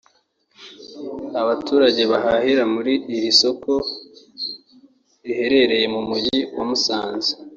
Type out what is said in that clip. Abaturage bahahira muri iri soko riherereye mu mujyi wa Musanze